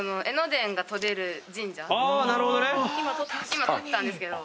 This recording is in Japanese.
今撮ったんですけど。